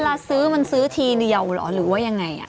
เวลาซื้อมันซื้อทีเดียวเหรอหรือว่ายังไง